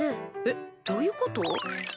えっどういうこと？